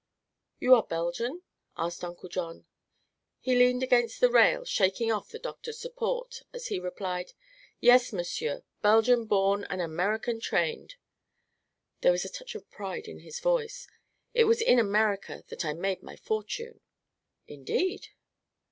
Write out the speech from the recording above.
"You are Belgian?" said Uncle John. He leaned against the rail, shaking off the doctor's support, as he replied: "Yes, monsieur. Belgian born and American trained." There was a touch of pride in his voice. "It was in America that I made my fortune." "Indeed."